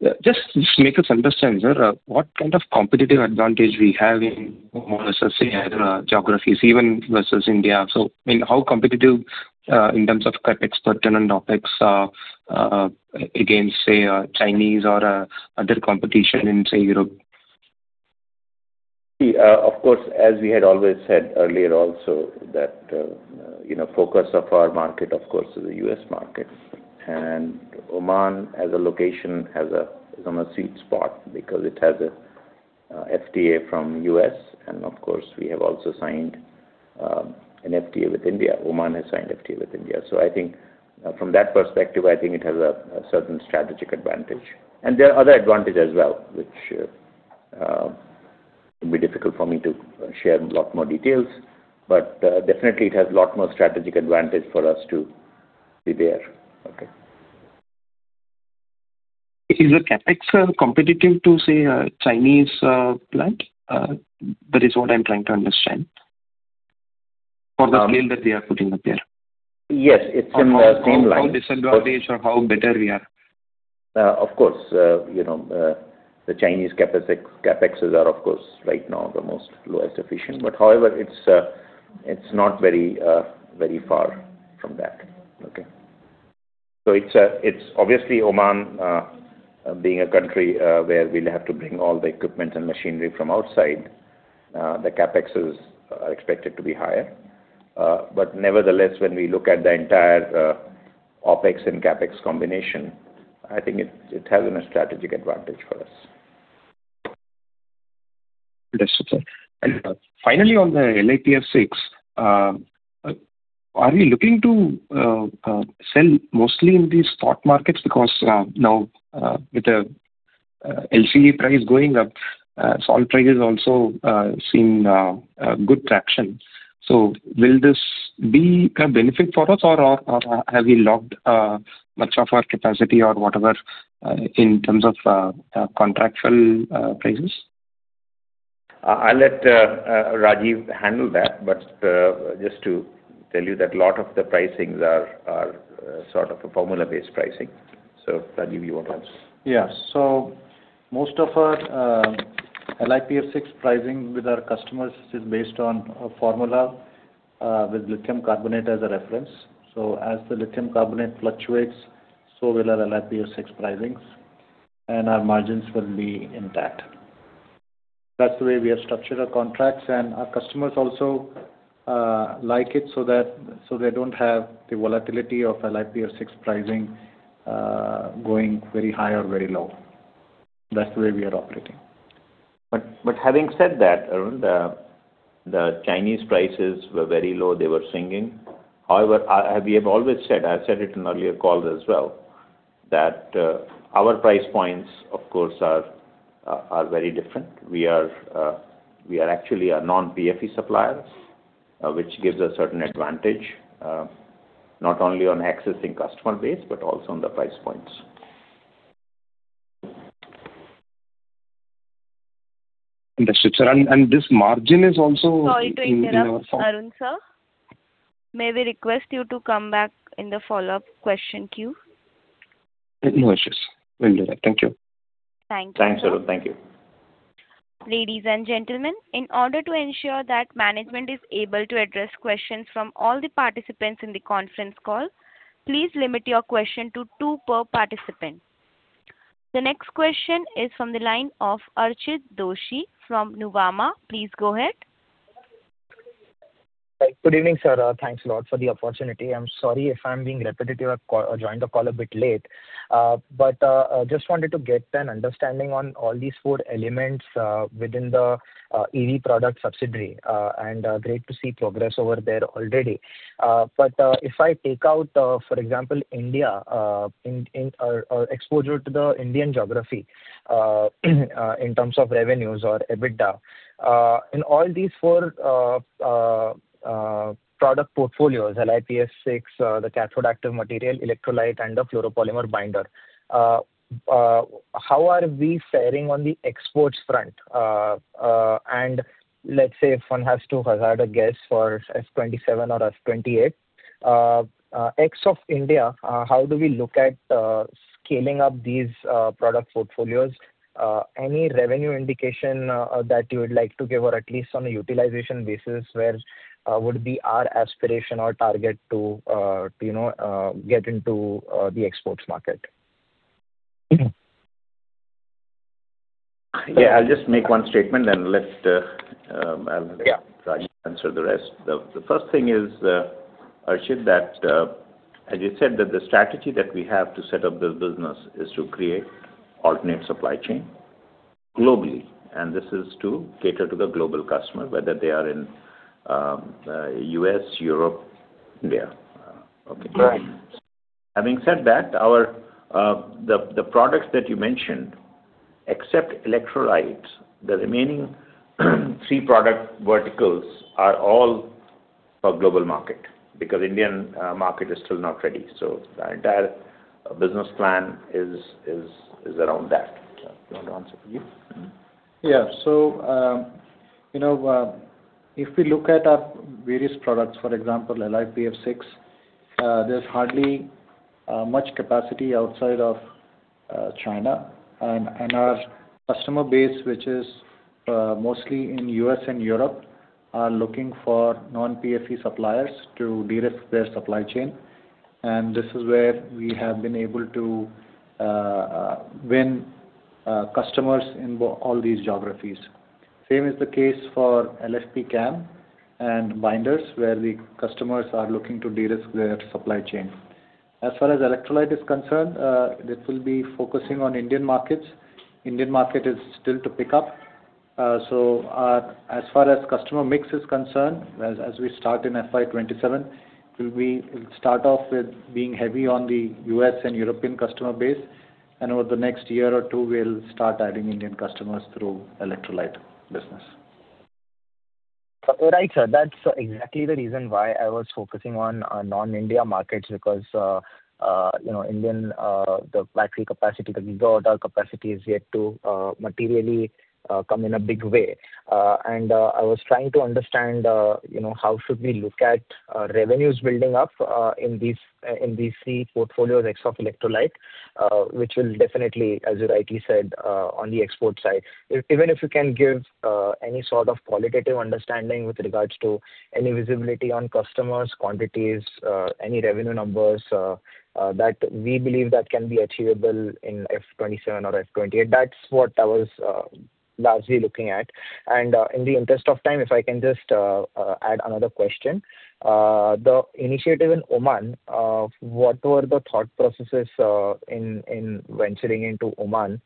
like that. Just make us understand, sir, what kind of competitive advantage we have in, more or less, say, other geographies, even versus India. So, I mean, how competitive in terms of CapEx, cost and OpEx against, say, Chinese or other competition in, say, Europe? See, of course, as we had always said earlier also, that, you know, focus of our market, of course, is the U.S. market. And Oman, as a location, is on a sweet spot because it has a, FTA from U.S., and of course, we have also signed, an FTA with India. Oman has signed FTA with India. So I think, from that perspective, I think it has a, a certain strategic advantage. And there are other advantages as well, which, it'd be difficult for me to share a lot more details, but, definitely it has a lot more strategic advantage for us to be there. Okay. Is the CapEx competitive to, say, a Chinese plant? That is what I'm trying to understand. For the scale that they are putting up there. Yes, it's in the same line. How disadvantaged or how better we are? Of course, you know, the Chinese CapEx, CapEx are, of course, right now, the most lowest efficient. But however, it's not very, very far from that. Okay? So it's obviously Oman, being a country where we'll have to bring all the equipment and machinery from outside, the CapEx are expected to be higher. But nevertheless, when we look at the entire OpEx and CapEx combination, I think it has a strategic advantage for us. Understood, sir. And finally, on the LiPF6, are we looking to sell mostly in these spot markets? Because now, with the LCE price going up, salt prices also seeing a good traction. So will this be a benefit for us, or have we locked much of our capacity or whatever in terms of contractual prices? I'll let Rajiv handle that, but just to tell you that a lot of the pricings are sort of a formula-based pricing. So, Rajiv, you want to...? Yeah. So most of our, LiPF6 pricing with our customers is based on a formula, with lithium carbonate as a reference. So as the lithium carbonate fluctuates, so will our LiPF6 pricings, and our margins will be intact. That's the way we have structured our contracts, and our customers also, like it, so that, so they don't have the volatility of LiPF6 pricing, going very high or very low. That's the way we are operating. But having said that, Arun, the Chinese prices were very low, they were sinking. However, we have always said, I've said it in earlier calls as well, that our price points, of course, are very different. We are actually a non-PRC suppliers, which gives us certain advantage, not only on accessing customer base, but also on the price points. Understood, sir. And this margin is also- Sorry to interrupt, Arun, sir. May we request you to come back in the follow-up question queue? No issues. Will do that. Thank you. Thank you. Thanks, Arun. Thank you. Ladies and gentlemen, in order to ensure that management is able to address questions from all the participants in the conference call, please limit your question to two per participant. The next question is from the line of Archit Doshi from Nuvama. Please go ahead. Good evening, sir. Thanks a lot for the opportunity. I'm sorry if I'm being repetitive. I joined the call a bit late. But I just wanted to get an understanding on all these four elements within the EV product subsidiary. And great to see progress over there already. But if I take out, for example, India, in exposure to the Indian geography in terms of revenues or EBITDA. In all these four product portfolios, LiPF6, the cathode active material, electrolyte, and the fluoropolymer binder, how are we faring on the exports front? And let's say, if one has to hazard a guess for FY 2027 or FY 2028 ex-India, how do we look at scaling up these product portfolios? Any revenue indication that you would like to give or at least on a utilization basis, where would be our aspiration or target to, to you know, get into the exports market? Yeah, I'll just make one statement, and let- Yeah. Rajiv, answer the rest. The first thing is, Archit, that as you said, that the strategy that we have to set up this business is to create alternate supply chain globally, and this is to cater to the global customer, whether they are in U.S., Europe, India. Okay. Right. Having said that, our the products that you mentioned, except electrolytes, the remaining three product verticals are all for global market, because Indian market is still not ready. So the entire business plan is around that. You want to answer, Rajiv? Yeah. So, you know, if we look at our various products, for example, LiPF6, there's hardly much capacity outside of China. And our customer base, which is mostly in U.S. and Europe, are looking for non-PRC suppliers to de-risk their supply chain. And this is where we have been able to win customers in all these geographies. Same is the case for LFP CAM and binders, where the customers are looking to de-risk their supply chain. As far as electrolyte is concerned, this will be focusing on Indian markets. Indian market is still to pick up. So, as far as customer mix is concerned, as we start in FY 2027, we'll start off with being heavy on the U.S. and European customer base, and over the next year or two, we'll start adding Indian customers through electrolyte business. Right, sir. That's exactly the reason why I was focusing on non-India markets, because you know, Indian the factory capacity, the gigawatt hour capacity is yet to materially come in a big way. And I was trying to understand you know, how should we look at revenues building up in these in these three portfolios, ex of electrolyte, which will definitely, as you rightly said, on the export side. Even if you can give any sort of qualitative understanding with regards to any visibility on customers, quantities, any revenue numbers that we believe that can be achievable in FY 2027 or FY 2028. That's what I was largely looking at. In the interest of time, if I can just add another question. The initiative in Oman, what were the thought processes in venturing into Oman?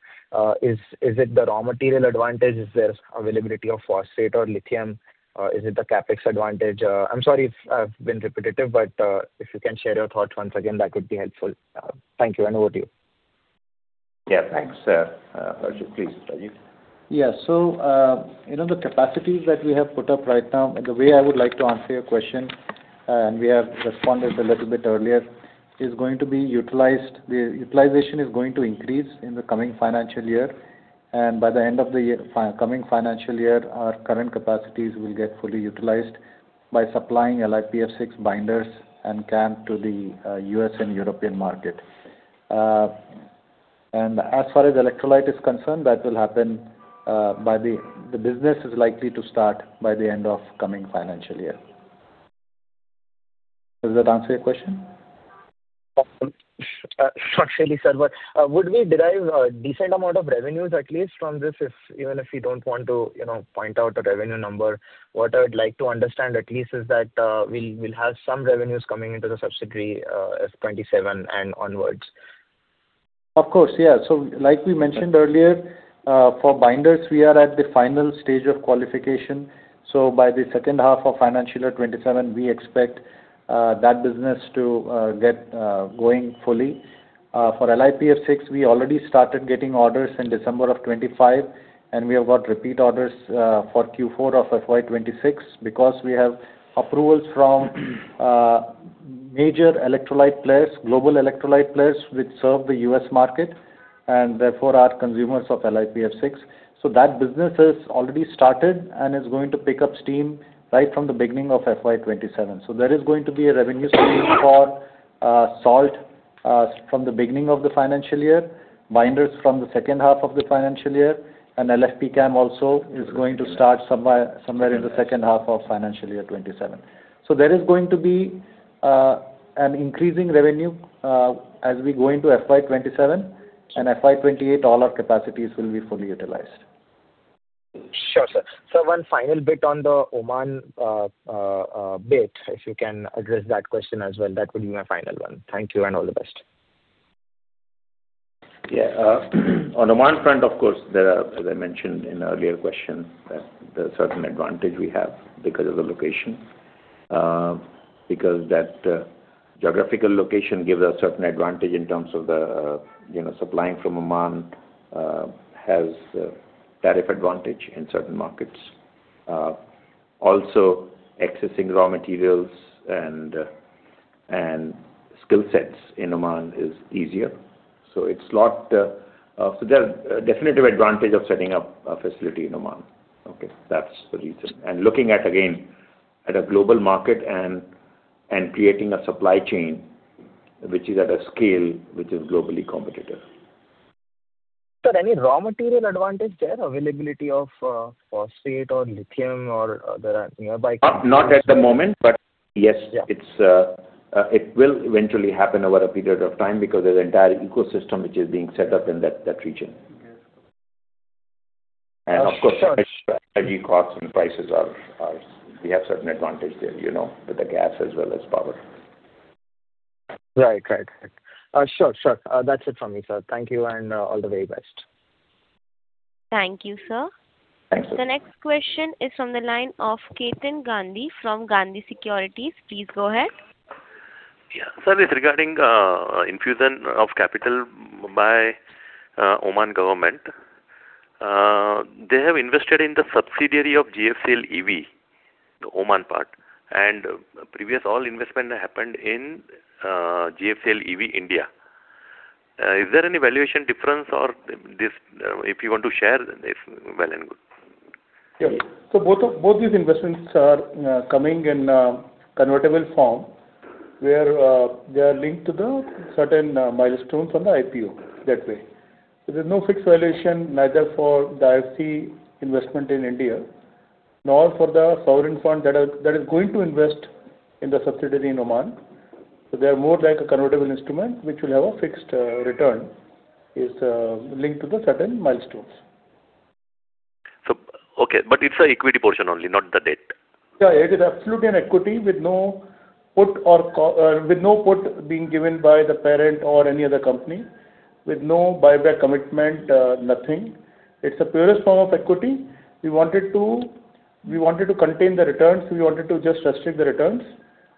Is it the raw material advantage? Is there availability of phosphate or lithium, or is it the CapEx advantage? I'm sorry if I've been repetitive, but if you can share your thoughts once again, that would be helpful. Thank you, and over to you. Yeah, thanks, sir. Please, Rajiv. Yeah. So, you know, the capacities that we have put up right now, and the way I would like to answer your question, and we have responded a little bit earlier, is going to be utilized. The utilization is going to increase in the coming financial year, and by the end of the year, coming financial year, our current capacities will get fully utilized by supplying LiPF6 binders and CAM to the U.S. and European market. And as far as electrolyte is concerned, that will happen by the business is likely to start by the end of coming financial year. Does that answer your question? Structurally, sir, but would we derive a decent amount of revenues at least from this, if even if you don't want to, you know, point out the revenue number? What I would like to understand at least is that we'll have some revenues coming into the subsidiary, FY 2027 and onwards. Of course, yeah. So like we mentioned earlier, for binders, we are at the final stage of qualification. So by the second half of financial year 2027, we expect that business to get going fully. For LiPF6, we already started getting orders in December 2025, and we have got repeat orders for Q4 of FY 2026, because we have approvals from major electrolyte players, global electrolyte players, which serve the U.S. market and therefore are consumers of LiPF6. So that business has already started and is going to pick up steam right from the beginning of FY 2027. So there is going to be a revenue stream for salt from the beginning of the financial year, binders from the second half of the financial year, and LFP CAM also is going to start somewhere in the second half of financial year 2027. So there is going to be an increasing revenue as we go into FY 2027, and FY 2028, all our capacities will be fully utilized. Sure, sir. So one final bit on the Oman, if you can address that question as well, that would be my final one. Thank you and all the best. Yeah. On Oman front, of course, there are, as I mentioned in earlier question, that there are certain advantage we have because of the location. Because that, geographical location gives us certain advantage in terms of the, you know, supplying from Oman, has a tariff advantage in certain markets. Also, accessing raw materials and, and skill sets in Oman is easier. So it's lot. So there are definitive advantage of setting up a facility in Oman. Okay. That's the reason. And looking at, again, at a global market and, and creating a supply chain which is at a scale which is globally competitive. Sir, any raw material advantage there, availability of, phosphate or lithium or other nearby? Not at the moment, but yes- Yeah. It will eventually happen over a period of time because there's an entire ecosystem which is being set up in that, that region. Okay. And of course- Sure. Energy costs and prices are, we have certain advantage there, you know, with the gas as well as power. Right. Correct. Sure, sure. That's it from me, sir. Thank you, and all the very best. Thank you, sir. The next question is from the line of Ketan Gandhi from Gandhi Securities. Please go ahead. Yeah. Sir, it's regarding infusion of capital by Oman Government. They have invested in the subsidiary of GFCL EV, the Oman part, and previous all investment happened in GFCL EV, India. Is there any valuation difference or this, if you want to share, then it's well and good. Yes. So both of, both these investments are coming in convertible form, where they are linked to the certain milestones on the IPO, that way. There is no fixed valuation, neither for the IFC investment in India, nor for the sovereign fund that is going to invest in the subsidiary in Oman. So they are more like a convertible instrument, which will have a fixed return is linked to the certain milestones. Okay, but it's an equity portion only, not the debt? Yeah, it is absolutely an equity with no put or call, with no put being given by the parent or any other company, with no buyback commitment, nothing. It's the purest form of equity. We wanted to, we wanted to contain the returns. We wanted to just restrict the returns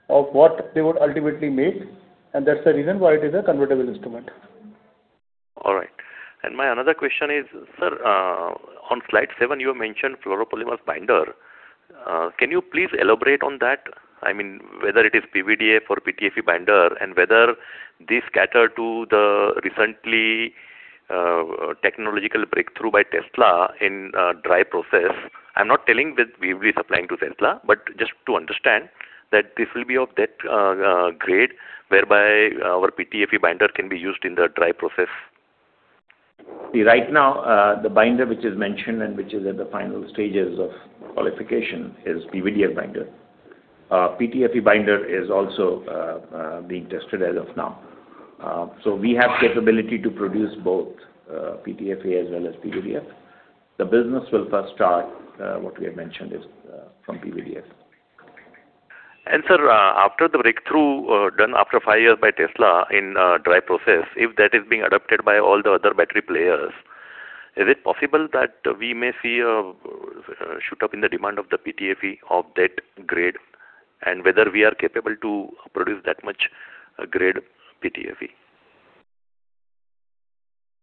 of what they would ultimately make, and that's the reason why it is a convertible instrument. All right. And my another question is, sir, on slide seven, you mentioned fluoropolymers binder. Can you please elaborate on that? I mean, whether it is PVDF or PTFE binder, and whether this cater to the recently, technological breakthrough by Tesla in, dry process. I'm not telling that we will be supplying to Tesla, but just to understand that this will be of that, grade, whereby our PTFE binder can be used in the dry process. Right now, the binder which is mentioned and which is at the final stages of qualification is PVDF binder. PTFE binder is also being tested as of now. So we have capability to produce both, PTFE as well as PVDF. The business will first start, what we have mentioned is, from PVDF. Sir, after the breakthrough done after five years by Tesla in dry process, if that is being adopted by all the other battery players, is it possible that we may see a shoot up in the demand of the PTFE of that grade? And whether we are capable to produce that much grade PTFE?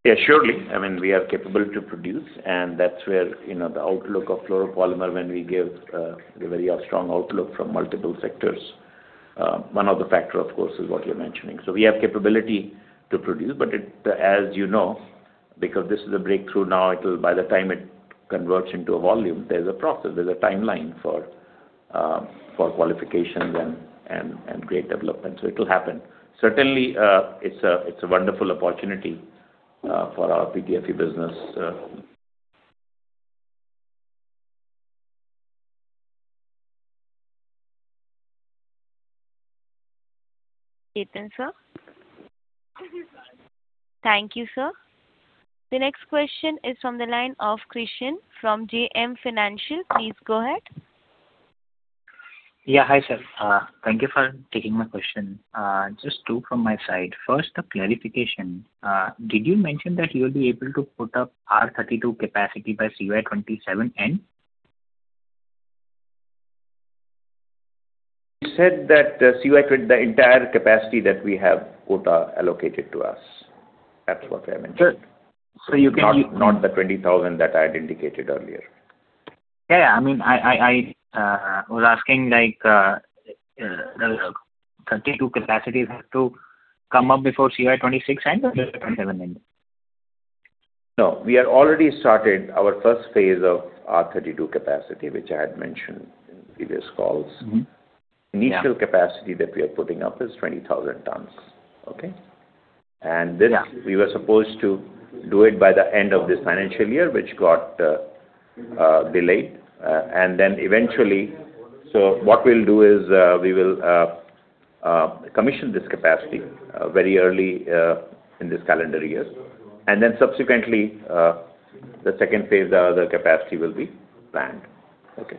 Yeah, surely. I mean, we are capable to produce, and that's where, you know, the outlook of fluoropolymer when we give, a very strong outlook from multiple sectors. One of the factor, of course, is what you're mentioning. So we have capability to produce, but it, as you know, because this is a breakthrough now, it will, by the time it converts into a volume, there's a process, there's a timeline for, for qualification and grade development. So it will happen. Certainly, it's a, it's a wonderful opportunity, for our PTFE business. Thank you, sir. The next question is from the line of Krishan from JM Financial. Please go ahead. Yeah, hi, sir. Thank you for taking my question. Just two from my side. First, a clarification. Did you mention that you will be able to put up R32 capacity by CY 2027 end? We said that, the entire capacity that we have quota allocated to us. That's what I mentioned. Sure. So you can- Not, not the 20,000 that I had indicated earlier. Yeah, yeah. I mean, I was asking like, the R32 capacities have to come up before CY 2026 end or 2027 end? No, we have already started our first phase of R32 capacity, which I had mentioned in previous calls. Yeah. Initial capacity that we are putting up is 20,000 tons. Okay? Yeah. And this, we were supposed to do it by the end of this financial year, which got delayed. And then eventually, so what we'll do is, we will commission this capacity very early in this calendar year. And then subsequently, the second phase of the capacity will be planned. Okay.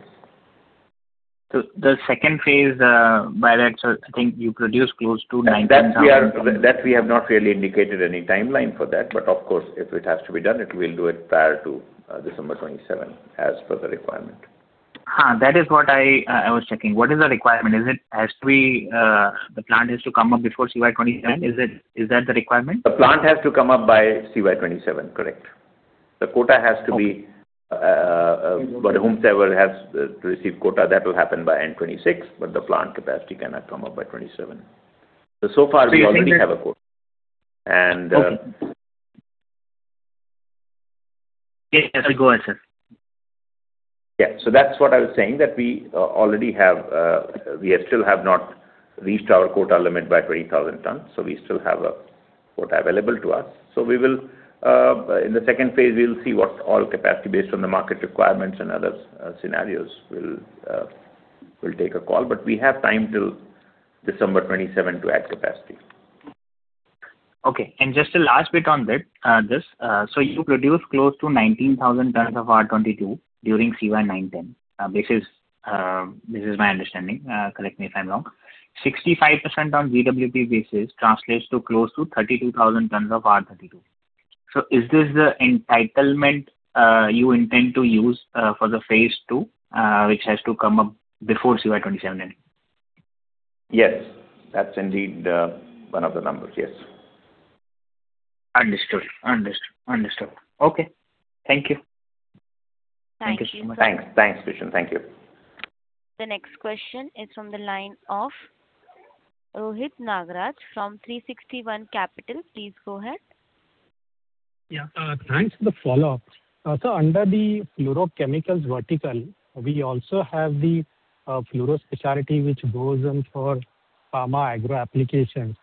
So the second phase, by that, so I think you produce close to 19,000 tons. That we are, that we have not really indicated any timeline for that. But of course, if it has to be done, we'll do it prior to December 27, as per the requirement. That is what I was checking. What is the requirement? Is it has to be the plant has to come up before CY 27? Is it, is that the requirement? The plant has to come up by CY 2027, correct. The quota has to be, by whomsoever has to receive quota, that will happen by end 2026, but the plant capacity cannot come up by 2027. So, so far we already have a quota. Okay. And, uh- Yeah, yeah. Please go ahead, sir. Yeah. So that's what I was saying, that we already have, we still have not reached our quota limit by 20,000 tons, so we still have a quota available to us. So we will, in the second phase, we will see what all capacity based on the market requirements and other scenarios. We'll take a call, but we have time till December 2027 to add capacity. Okay. And just a last bit on this. So you produce close to 19,000 tons of R22 during CY 2010. This is my understanding, correct me if I'm wrong. 65% on GWP basis translates to close to 32,000 tons of R32. So is this the entitlement you intend to use for the phase two, which has to come up before CY 2027 end? Yes. That's indeed one of the numbers. Yes. Understood. Understood. Understood. Okay. Thank you. Thanks, thanks, Krishan. Thank you. The next question is from the line of Rohit Nagaraj from 360 ONE Capital. Please go ahead. Yeah, thanks for the follow-up. So under the fluorochemicals vertical, we also have the fluorospecialty, which goes in for pharma agro applications.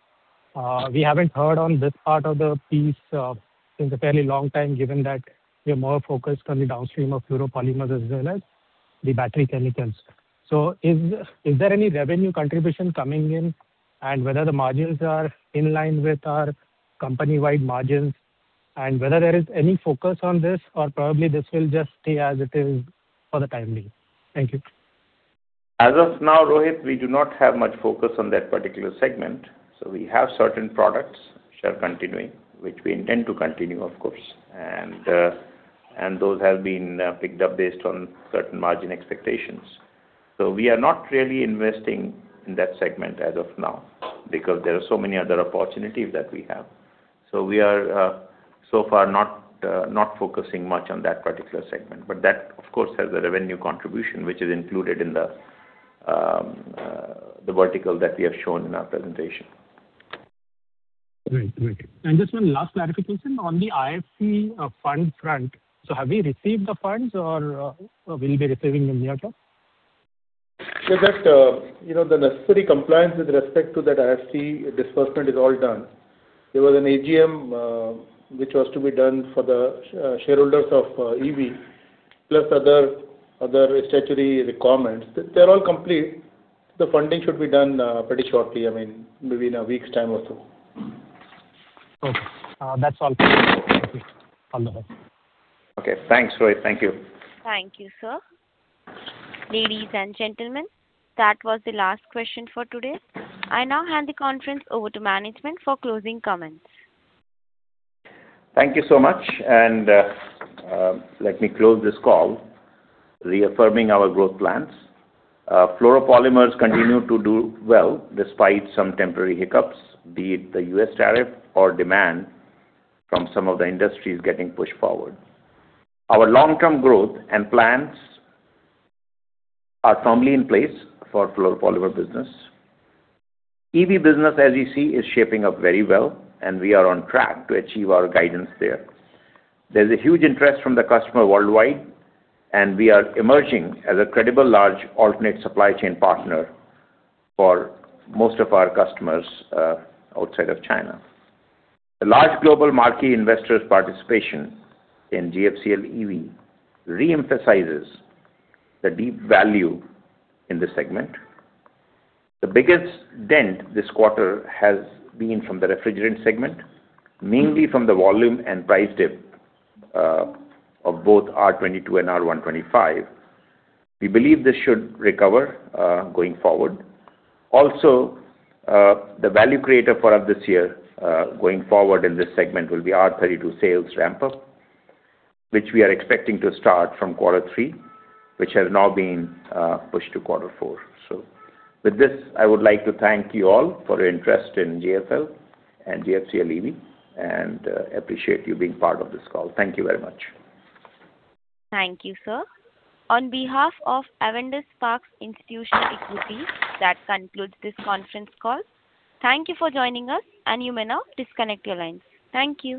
We haven't heard on this part of the piece in a fairly long time, given that we are more focused on the downstream of fluoropolymers as well as the battery chemicals. So is there any revenue contribution coming in, and whether the margins are in line with our company-wide margins, and whether there is any focus on this, or probably this will just stay as it is for the time being? Thank you. As of now, Rohit, we do not have much focus on that particular segment. So we have certain products which are continuing, which we intend to continue, of course. And those have been picked up based on certain margin expectations. So we are not really investing in that segment as of now, because there are so many other opportunities that we have. So we are so far not focusing much on that particular segment, but that of course has a revenue contribution, which is included in the vertical that we have shown in our presentation. Great. Great. Just one last clarification on the IFC fund front. So have we received the funds or will be receiving in the near term? So that, you know, the necessary compliance with respect to that IFC disbursement is all done. There was an AGM, which was to be done for the shareholders of EV, plus other statutory requirements. They're all complete. The funding should be done pretty shortly, I mean, within a week's time or so. Okay. That's all. Thank you. Okay, thanks, Rohit. Thank you. Thank you, sir. Ladies and gentlemen, that was the last question for today. I now hand the conference over to management for closing comments. Thank you so much. And, let me close this call reaffirming our growth plans. Fluoropolymers continue to do well, despite some temporary hiccups, be it the U.S. tariff or demand from some of the industries getting pushed forward. Our long-term growth and plans are firmly in place for fluoropolymer business. EV business, as you see, is shaping up very well, and we are on track to achieve our guidance there. There's a huge interest from the customer worldwide, and we are emerging as a credible, large alternate supply chain partner for most of our customers, outside of China. The large global marquee investors participation in GFCL EV, re-emphasizes the deep value in this segment. The biggest dent this quarter has been from the refrigerant segment, mainly from the volume and price dip, of both R22 and R125. We believe this should recover, going forward. Also, the value creator for us this year, going forward in this segment will be R32 sales ramp-up, which we are expecting to start from Q3, which has now been pushed to quarter four. So with this, I would like to thank you all for your interest in GFL and GFCL EV, and appreciate you being part of this call. Thank you very much. Thank you, sir. On behalf of Avendus Spark Institutional Equities, that concludes this conference call. Thank you for joining us, and you may now disconnect your lines. Thank you.